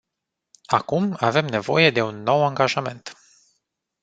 Acum avem nevoie de un nou angajament.